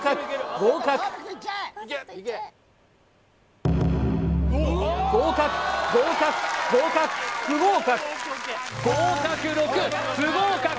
合格合格合格不合格！